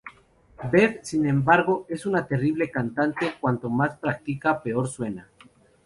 Bev, sin embargo, es una terrible cantante; cuanto más se practica, peor suena.